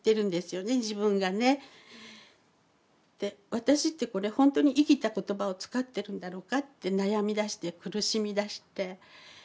私ってこれほんとに生きた言葉を使ってるんだろうかって悩みだして苦しみだして。